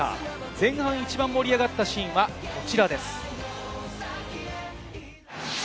前半、一番盛り上がったシーンはこちらです。